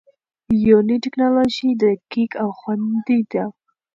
یوني ټېکنالوژي دقیق او خوندي ده.